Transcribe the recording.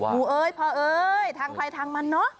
เอ้ยพ่อเอ้ยทางใครทางมันเนอะ